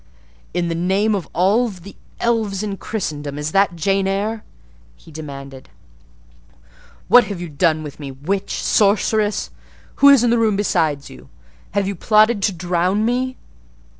"In the name of all the elves in Christendom, is that Jane Eyre?" he demanded. "What have you done with me, witch, sorceress? Who is in the room besides you? Have you plotted to drown me?"